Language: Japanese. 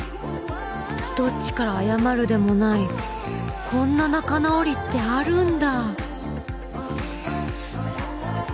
どっちから謝るでもないこんな仲直りってあるんだ